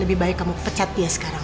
lebih baik kamu pecat dia sekarang